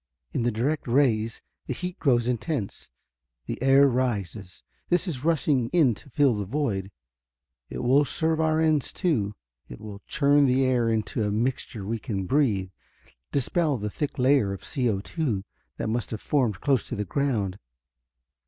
In the direct rays the heat grows intense; the air rises. This is rushing in to fill the void. It will serve our ends, too. It will churn the air into a mixture we can breathe, dispel the thick layer of CO_2 that must have formed close to the ground."